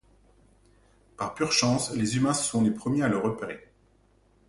Par pure chance, les humains sont les premiers à le repérer.